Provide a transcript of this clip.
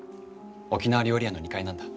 沖縄料理屋の２階なんだ。